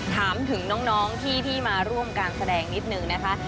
ถามถึงน้องที่มาร่วมการแสดงนิดนึงนะคะ